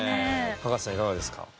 葉加瀬さんいかがですか？